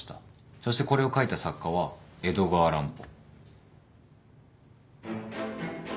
そしてこれを書いた作家は江戸川乱歩。